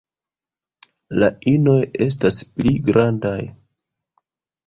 La inoj estas pli grandaj.